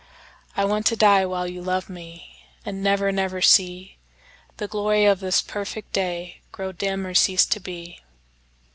I want to die while you love meAnd never, never seeThe glory of this perfect dayGrow dim or cease to be.